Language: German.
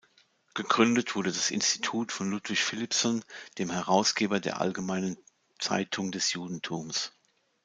Gegründet wurde das Institut von Ludwig Philippson, dem Herausgeber der Allgemeinen Zeitung des Judentums.